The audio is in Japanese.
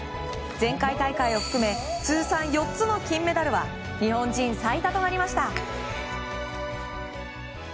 前回大会を含め通算４つの金メダルは日本人最多となりました。